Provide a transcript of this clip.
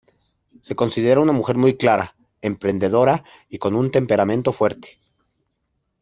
Se considera una mujer muy clara, emprendedora y con un temperamento fuerte.